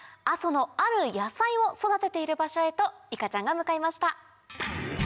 阿蘇のある野菜を育てている場所へといかちゃんが向かいました。